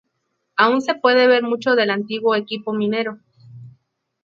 Aun se puede ver mucho del antiguo equipo minero.